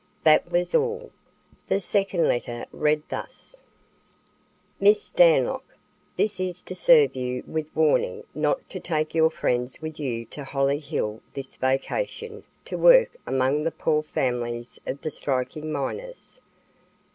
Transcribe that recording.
= That was all. The second letter read thus: "Miss Stanlock: This is to serve you with warning not to take your friends with you to Hollyhill this vacation to work among the poor families of the striking miners.